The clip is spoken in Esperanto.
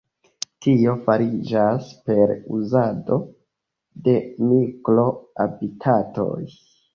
Tio fariĝas per uzado de mikro-habitatoj.